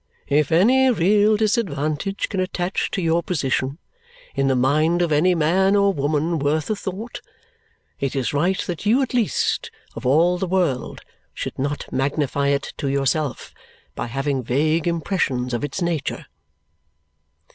If any real disadvantage can attach to your position in the mind of any man or woman worth a thought, it is right that you at least of all the world should not magnify it to yourself by having vague impressions of its nature."